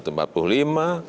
ingin mengganti negara